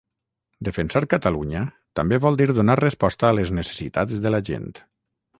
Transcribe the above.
Defensar Catalunya també vol dir donar resposta a les necessitats de la gent